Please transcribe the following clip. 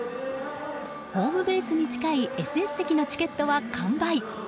ホームベースに近いＳＳ席のチケットは完売。